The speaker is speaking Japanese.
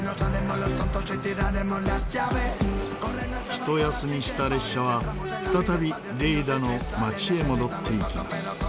ひと休みした列車は再びリェイダの街へ戻っていきます。